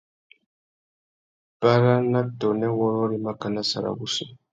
Para na tônê wôrrôri makana sarawussi.